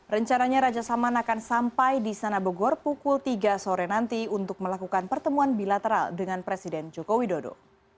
rencananya raja salman akan sampai di sana bogor pukul tiga sore nanti untuk melakukan pertemuan bilateral dengan presiden joko widodo